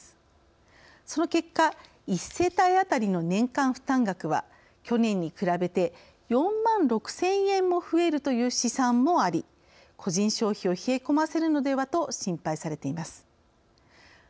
その結果一世帯当たりの年間負担額は去年に比べて４万６，０００円も増えるという試算もあり個人消費を冷え込ませるのではと心配されています。